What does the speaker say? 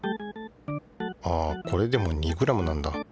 あこれでも２ｇなんだ。